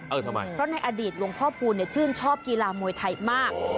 ทำไมเพราะในอดีตหลวงพ่อพูนชื่นชอบกีฬามวยไทยมาก